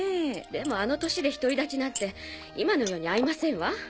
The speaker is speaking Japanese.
でもあの年で独り立ちなんて今の世に合いませんわ。